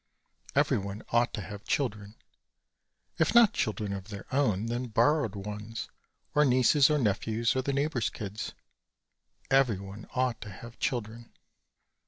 Everyone ought to have children. If not children of their own, then borrowed ones or nieces or nephews or the neighbor's kids. Everyone ought to have children.